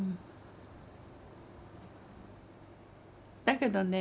だけどね